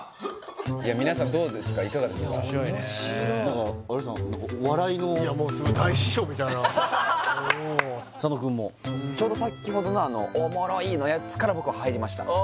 皆さんどうですかいかがですかおもしろいねなんか有吉さん佐野くんもちょうどさきほどの「おもろい」のやつから僕は入りました